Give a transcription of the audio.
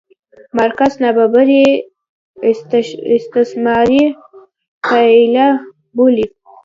مارکس نابرابري استثمار پایله بولي.